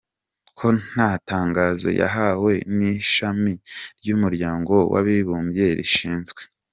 ko nta tangazo yahawe n’Ishami ry’ Umuryango w’Abibumbye rishinzwe